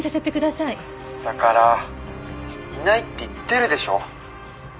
「だからいないって言ってるでしょ」